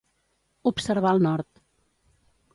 Observar el nord.